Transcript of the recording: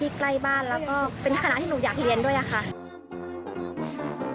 มีพุทธราชนะอันงดงามโดดเด่นจึงได้รับการยกย่องว่าเป็นหนึ่งในพระพุทธรูปที่มีพุทธราชนะงดงามที่สุดในเมืองไทย